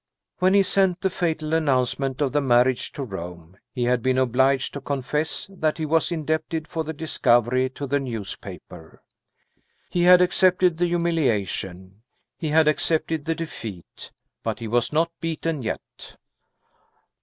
When he sent the fatal announcement of the marriage to Rome, he had been obliged to confess that he was indebted for the discovery to the newspaper. He had accepted the humiliation; he had accepted the defeat but he was not beaten yet.